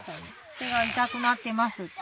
手が痛くなってますって。